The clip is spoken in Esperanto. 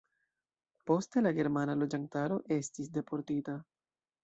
Poste la germana loĝantaro estis deportita.